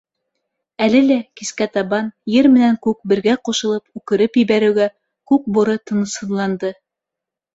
Әле лә, кискә табан, Ер менән Күк бергә ҡушылып үкереп ебәреүгә, Күкбүре тынысһыҙланды.